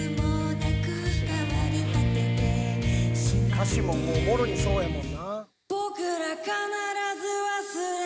「歌詞ももうもろにそうやもんな」